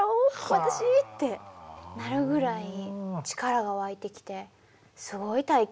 私ってなるぐらい力が湧いてきてすごい体験でした。